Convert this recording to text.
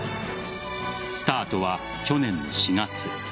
スタートは去年の４月。